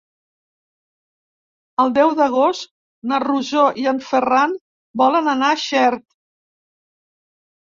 El deu d'agost na Rosó i en Ferran volen anar a Xert.